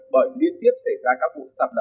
bởi liên tiếp xảy ra các vụ sạt lở